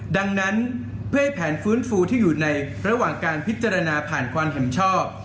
ดังนั้นเพื่อให้แผนฟื้นฟูที่อยู่ในระหว่างการพิจารณาผ่านความเห็นชอบ